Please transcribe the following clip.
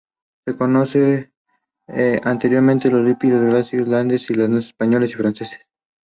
Whitman was more positive in her assessment of the launch.